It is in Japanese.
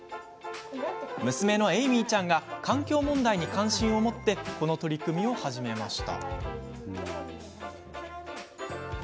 娘のエイミーちゃんが環境問題に関心を持ちこの取り組みを始めました。